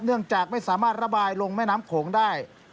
เนื่องจากไม่สามารถระบายลงแม่น้ำโขงได้